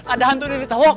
ada hantu ini tau